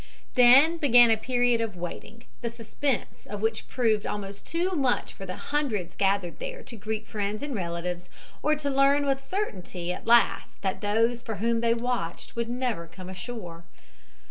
Then began a period of waiting, the suspense of which proved almost too much for the hundreds gathered there to greet friends and relatives or to learn with certainty at last that those for whom they watched would never come ashore.